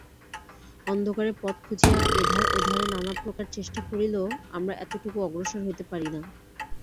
অন্ধকারে পথ খুঁজিয়া এধারে ওধারে নানাপ্রকার চেষ্টা করিলেও আমরা এতটুকু অগ্রসর হইতে পারি না।